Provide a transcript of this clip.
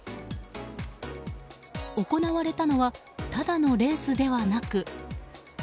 行われたのはただのレースではなく。